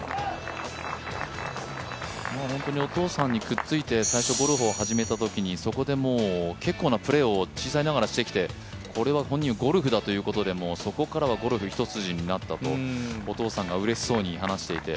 本当にお父さんにくっついて、最初、ゴルフを始めたときにそこで結構なプレーを小さいながらしてきて、これはゴルフだということでそこからはゴルフ一筋になったとお父さんがうれしそうに話していて。